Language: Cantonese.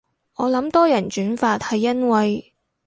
我諗多人轉發係因為